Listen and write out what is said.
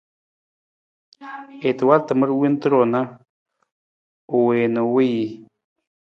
I ta wal tamar wonta ru na u wii na u wiiji.